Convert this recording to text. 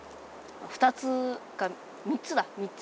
２つか３つだ３つ。